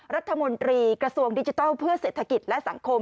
รัฐมนตรีกระทรวงดิจิทัลเพื่อเศรษฐกิจและสังคม